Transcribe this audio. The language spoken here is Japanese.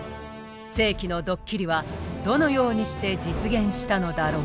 世紀のドッキリはどのようにして実現したのだろうか。